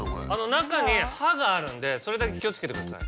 中に刃があるんでそれだけ気をつけてください。